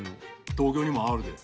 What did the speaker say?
東京にもあるで。